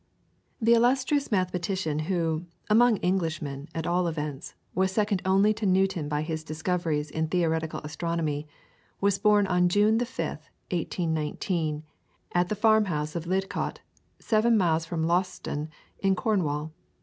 The illustrious mathematician who, among Englishmen, at all events, was second only to Newton by his discoveries in theoretical astronomy, was born on June the 5th, 1819, at the farmhouse of Lidcot, seven miles from Launceston, in Cornwall.